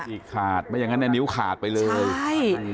ฉีกขาดไม่อย่างนั้นเนี่ยนิ้วขาดไปเลยใช่